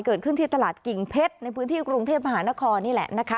เกิดขึ้นที่ตลาดกิ่งเพชรในพื้นที่กรุงเทพมหานครนี่แหละนะคะ